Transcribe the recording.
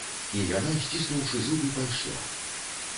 І яна, сціснуўшы зубы, пайшла.